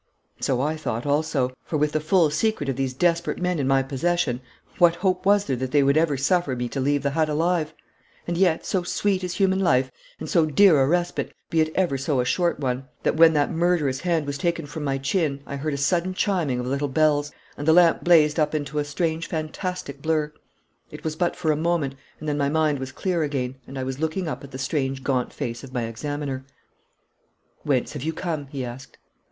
So I thought also; for, with the full secret of these desperate men in my possession, what hope was there that they would ever suffer me to leave the hut alive? And yet, so sweet is human life, and so dear a respite, be it ever so short a one, that when that murderous hand was taken from my chin I heard a sudden chiming of little bells, and the lamp blazed up into a strange fantastic blur. It was but for a moment, and then my mind was clear again, and I was looking up at the strange gaunt face of my examiner. 'Whence have you come?' he asked.